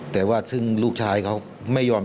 แต่ว่าซึ่งลูกชายเขาไม่ยอม